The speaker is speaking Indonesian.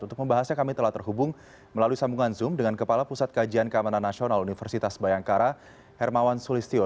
untuk membahasnya kami telah terhubung melalui sambungan zoom dengan kepala pusat kajian keamanan nasional universitas bayangkara hermawan sulistyo